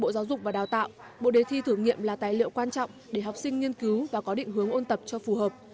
bộ giáo dục và đào tạo bộ đề thi thử nghiệm là tài liệu quan trọng để học sinh nghiên cứu và có định hướng ôn tập cho phù hợp